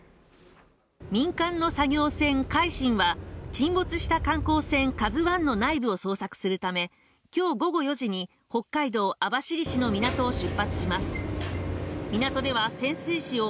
民間の作業船「海進」は沈没した観光船「ＫＡＺＵ１」の内部を捜索するため今日午後４時に北海道網走市の港を出発します